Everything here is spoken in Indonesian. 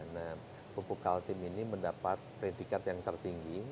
nah pukul tim ini mendapat predikat yang tertinggi